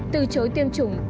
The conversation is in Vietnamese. từ chối tiêm chủng